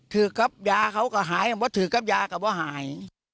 ถือกับยาเค้าจะหายถือกับยาเค้าบอกว่าหาย